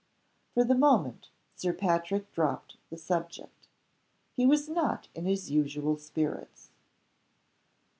For the moment Sir Patrick dropped the subject. He was not in his usual spirits.